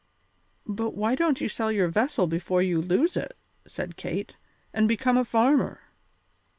"But why don't you sell your vessel before you lose it," said Kate, "and become a farmer?"